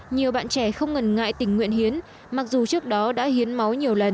nhiều bạn trẻ không ngần ngại tình nguyện hiến mặc dù trước đó đã hiến máu nhiều lần